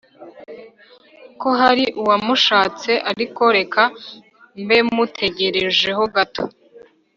ko hari uwamushatse ariko reka mbemutegerejeho gato